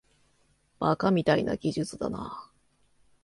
バカみたいな技術だな